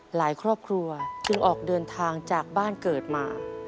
หลายครอบครัวจึงออกเดินทางจากบ้านเกิดมา